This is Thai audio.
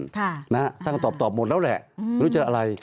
ควรตอบตอบเราไม่อยากได้รู้สึกอั